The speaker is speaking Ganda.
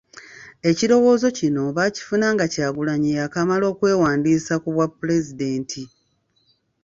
Ekirowoozo kino baakifuna nga Kyagulanyi yaakamala okwewandiisa ku bwapulezidenti .